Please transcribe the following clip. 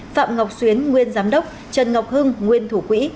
phạm ngọc xuyến nguyên giám đốc trần ngọc hưng nguyên thủ quỹ